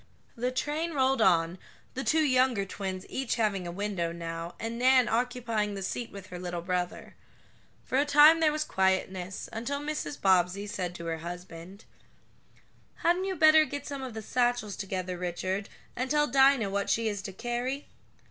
The train rolled on, the two younger twins each having a window now, and Nan occupying the seat with her little brother. For a time there was quietness, until Mrs. Bobbsey said to her husband: "Hadn't you better get some of the satchels together, Richard, and tell Dinah what she is to carry?"